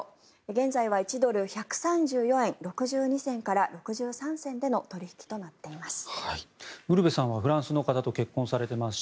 現在は１ドル＝１３４円６２銭から６３銭での取引となっています。